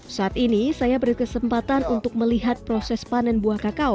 saat ini saya berkesempatan untuk melihat proses panen buah kakao